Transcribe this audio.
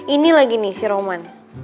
ini lagi nih si roman